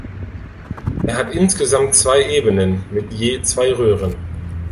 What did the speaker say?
Er hat insgesamt zwei Ebenen mit je zwei Röhren.